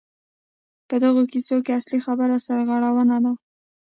په دغو کیسو کې اصلي خبره سرغړونه ده.